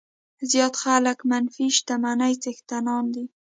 زیات خلک منفي شتمنۍ څښتنان دي.